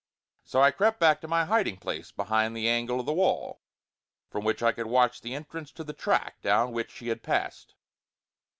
So I crept back to my hiding place behind the angle of the wall, from which I could watch the entrance to the track down which she had passed.